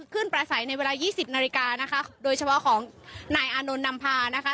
ประสัยในเวลายี่สิบนาฬิกานะคะโดยเฉพาะของนายอานนท์นำพานะคะ